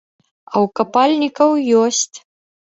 А ў капальнікаў ёсць.